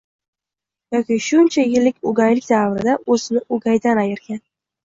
yoki shuncha yillik o'gaylik davrida o'zni o'gaydan ayirgan